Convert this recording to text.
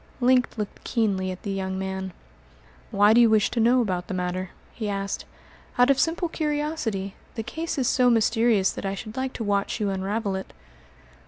Link looked keenly at the young man. "Why do you wish to know about the matter?" he asked. "Out of simple curiosity. The case is so mysterious that I should like to watch you unravel it."